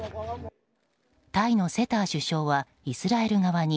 タイのセター首相はイスラエル側に